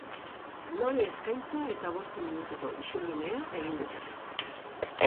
Lore eskaintza eta bost minutuko isilunea egin dute.